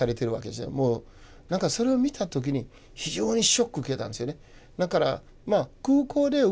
なんかそれを見た時に非常にショック受けたんですよね。